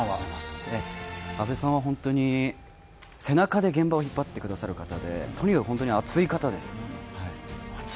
阿部さんは本当に背中で現場を引っ張ってくださる方でとにかく本当に熱い方です。